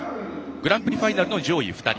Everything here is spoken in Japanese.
グランプリファイナルの上位２人。